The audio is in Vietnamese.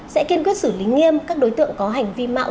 sẽ kiên quyết xử lý nghiêm các đối tượng có hành vi mạo